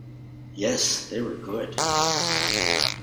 Yes, they were good.